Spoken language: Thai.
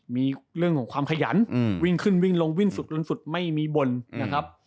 มีเรื่องของความขยันวิ่งขึ้นวิ่งลงวิ่งสุดจนสุดไม่มีบ่นนะครับ